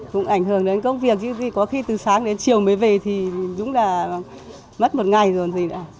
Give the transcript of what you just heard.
cũng ảnh hưởng đến công việc chứ có khi từ sáng đến chiều mới về thì dũng là mất một ngày rồi thì